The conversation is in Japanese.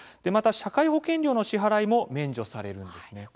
また、社会保険料の支払いも免除されるんですね。